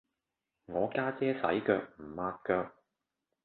我家姐洗腳唔抹腳